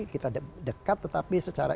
kita dekat tetapi secara